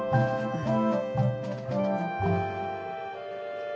うん。